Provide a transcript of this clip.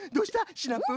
シナプー。